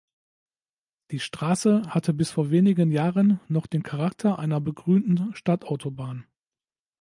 Die Straße hatte bis vor wenigen Jahren noch den Charakter einer begrünten Stadtautobahn.